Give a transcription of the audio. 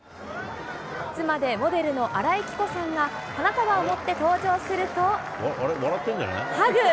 妻でモデルの新井貴子さんが花束を持って登場すると、ハグ。